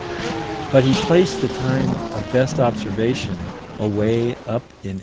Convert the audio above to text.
But he placed the time of best observation away up in 1877.